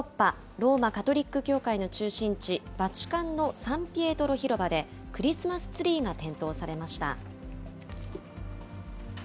ローマ・カトリック教会の中心地、バチカンのサンピエトロ広場でクリスマスツリーが点灯されました。